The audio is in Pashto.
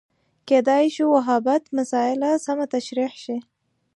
کېدای شو وهابیت مسأله سمه تشریح شي